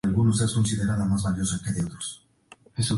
San Germán con la prolongación de la Av.